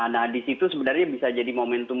nah di situ sebenarnya bisa jadi momentum